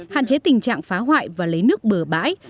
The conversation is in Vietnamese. hạn chế tình trạng phá hoại và lấy nước bừa bãi